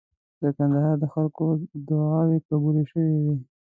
د کندهار د خلکو دعاوي قبولې شوې وې.